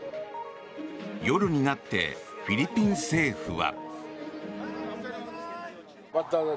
夜になってフィリピン政府は。